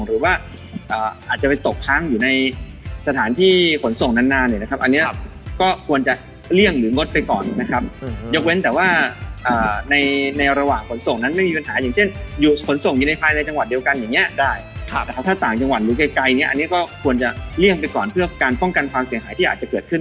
หรือว่าอาจจะไปตกค้างอยู่ในสถานที่ขนส่งนานนานเนี่ยนะครับอันนี้ก็ควรจะเลี่ยงหรืองดไปก่อนนะครับยกเว้นแต่ว่าในในระหว่างขนส่งนั้นไม่มีปัญหาอย่างเช่นอยู่ขนส่งอยู่ในภายในจังหวัดเดียวกันอย่างนี้ได้นะครับถ้าต่างจังหวัดหรือไกลเนี่ยอันนี้ก็ควรจะเลี่ยงไปก่อนเพื่อการป้องกันความเสียหายที่อาจจะเกิดขึ้น